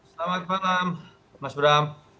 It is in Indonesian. selamat malam mas bram